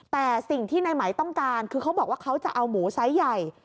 แต่สิ่งที่ในไหมต้องการคือเขาบอกว่าเขาจะเอาหมูไซส์ใหญ่